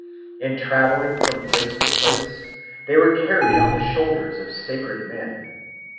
In travelling from place to place they were carried on the shoulders of sacred men.